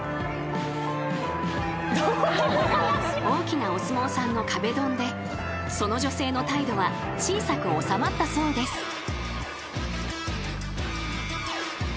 ［大きなお相撲さんの壁ドンでその女性の態度は小さく収まったそうです］